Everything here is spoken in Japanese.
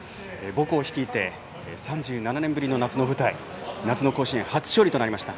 母校を率いて３７年ぶりの夏の舞台夏の甲子園、初勝利となりました。